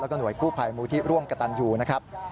แล้วก็หน่วยกู้ภัยมูลที่ร่วมกระตันยูนะครับ